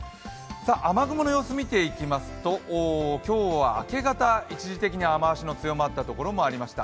雨雲の様子を見ていきますと、今日は明け方、一時的に雨足の強まったところもありました。